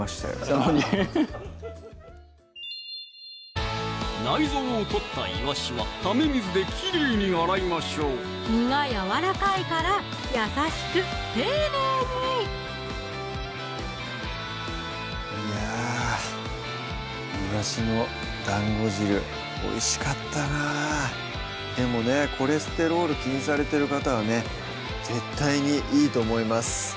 北のほうに内臓を取ったいわしはため水できれいに洗いましょう身がやわらかいからやさしく丁寧にいや「いわしの団子汁」おいしかったなでもねコレステロール気にされてる方はね絶対にいいと思います